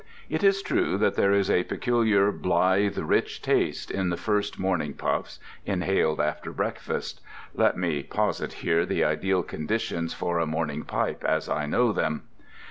It is true that there is a peculiar blithe rich taste in the first morning puffs, inhaled after breakfast. (Let me posit here the ideal conditions for a morning pipe as I know them.)